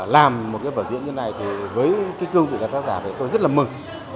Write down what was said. làm một cái vở diễn như thế này thì với cái cương vị của tác giả thì tôi rất là mừng